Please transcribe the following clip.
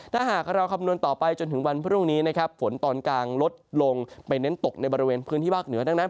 ถ้าหากเราคำนวณต่อไปจนถึงวันพรุ่งนี้นะครับฝนตอนกลางลดลงไปเน้นตกในบริเวณพื้นที่ภาคเหนือดังนั้น